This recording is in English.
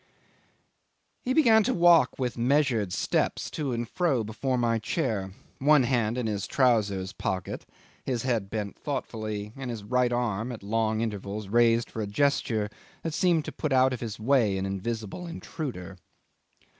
..." 'He began to walk with measured steps to and fro before my chair, one hand in his trousers pocket, his head bent thoughtfully, and his right arm at long intervals raised for a gesture that seemed to put out of his way an invisible intruder.